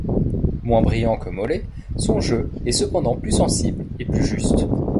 Moins brillant que Molé, son jeu est cependant plus sensible et plus juste.